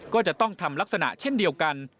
ก็จะต้องทำลักษณะเช่นเดียวกัน